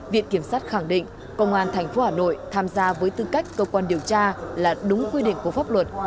viện kiểm sát khẳng định công an tp hà nội tham gia với tư cách cơ quan điều tra là đúng quy định của pháp luật